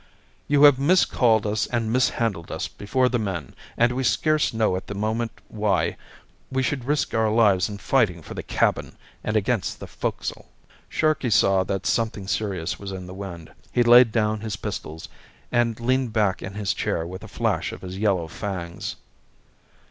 "You have miscalled us and mishandled us before the men, and we scarce know at this moment why we should risk our lives in fighting for the cabin and against the foc'sle." Sharkey saw that something serious was in the wind. He laid down his pistols and leaned back in his chair with a flash of his yellow fangs.